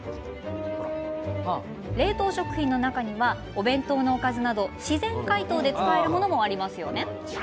冷凍食品の中にはお弁当のおかずなど自然解凍で使えるものもありますよね。